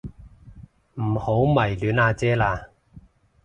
唔好迷戀阿姐啦